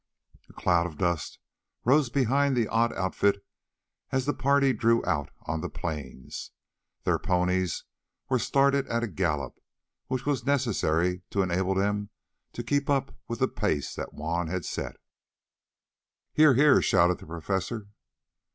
A cloud of dust rose behind the odd outfit as the party drew out on the plains. Their ponies were started at a gallop, which was necessary to enable them to keep up with the pace that Juan had set. "Here! Here!" shouted the Professor.